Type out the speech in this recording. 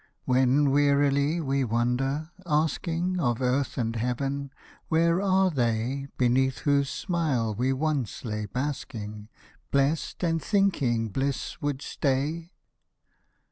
When wearily we wander, asking Of earth and heaven, where are they. Beneath whose smile we once lay basking, Blest, and thinking bliss would stay